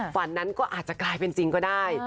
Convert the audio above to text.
ฝันนั้นก็อาจจะกลายเป็นจริงก็ได้